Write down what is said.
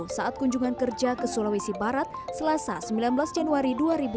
saat kunjungan kerja ke sulawesi barat selasa sembilan belas januari dua ribu dua puluh